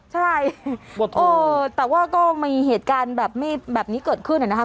ใช่โอ้แต่ว่าก็มีเหตุการณ์แบบนี้เกิดขึ้นเลยนะคะ